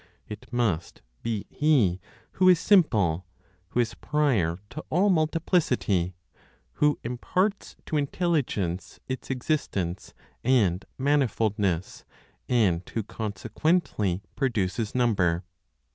It must be He who is simple, who is prior to all multiplicity, who imparts to Intelligence its existence and manifoldness, and who consequently produces number.